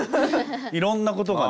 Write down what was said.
いろんなことがね。